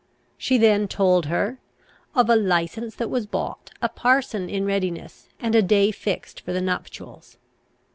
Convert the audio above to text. She then told her "of a licence that was bought, a parson in readiness, and a day fixed for the nuptials."